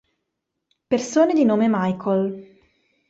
Persone di nome Michael